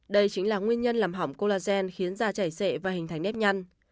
đây chính là nguyên nhân làm hỏng collagen khiến da chảy xệ và hình thành nếp nhăn